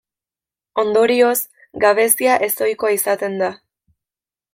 Ondorioz, gabezia ez-ohikoa izaten da.